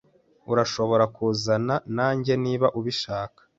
Urashobora kuzana nanjye niba ubishaka.